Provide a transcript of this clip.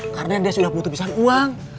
karena dia sudah butuh pisan uang